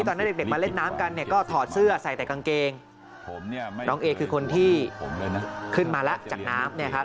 เด็กมาเล่นน้ำกันเนี่ยก็ถอดเสื้อใส่แต่กางเกงน้องเอคือคนที่ขึ้นมาแล้วจากน้ำเนี่ยครับ